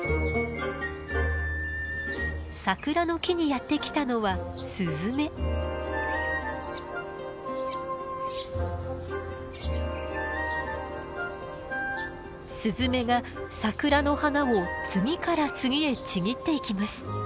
桜の木にやって来たのはスズメが桜の花を次から次へちぎっていきます。